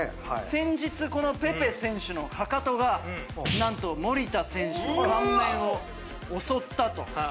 先日このペペ選手のかかとが何と守田選手の顔面を襲ったと。